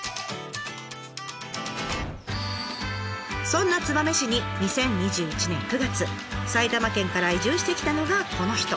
そんな燕市に２０２１年９月埼玉県から移住してきたのがこの人。